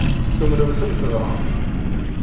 Tumnem-tent dɣa?